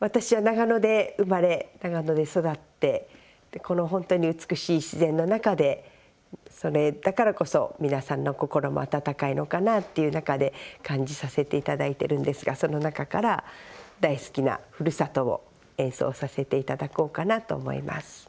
私は長野で生まれ長野で育ってこの本当に美しい自然の中でそれだからこそ、皆さんの心も温かいのかなという中で感じさせていただいているんですがその中から大好きな「故郷」を演奏させていただこうかなと思います。